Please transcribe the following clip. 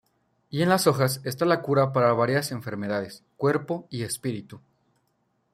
Y en las hojas está la cura para varias enfermedades, cuerpo y espíritu.